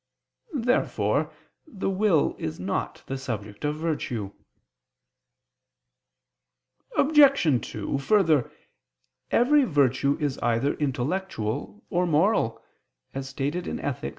Therefore the will is not the subject of virtue. Obj. 2: Further, every virtue is either intellectual or moral (Ethic.